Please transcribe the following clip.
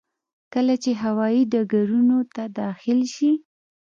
کله چې هوايي ډګرونو ته داخل شي.